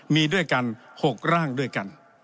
มีด้วยกัน๖ร่างด้วยกัน